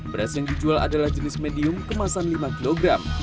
beras yang dijual adalah jenis medium kemasan lima kg